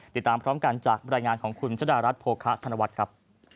ติดตามพร้อมกันจากบรรยายงานของคุณชะดารัฐโภคะธนวัฒน์ครับ